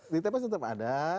di tps tetap ada